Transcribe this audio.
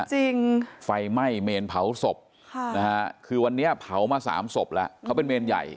จริงไฟไหม้เมนเผาศพค่ะนะฮะคือวันนี้เผามาสามศพแล้วเขาเป็นเมนใหญ่